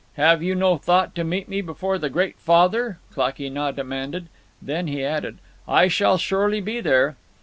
"Have you no thought to meet me before the Great Father!" Klakee Nah demanded. Then he added, "I shall surely be there."